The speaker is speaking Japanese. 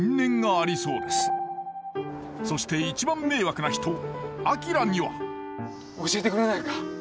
そして一番迷惑な人明には教えてくれないか？